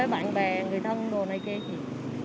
với bạn bè người thân đồ này kia kìa